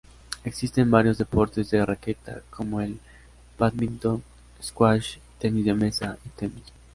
Existen varios deportes de raqueta, como el badminton, squash, tenis de mesa y tenis.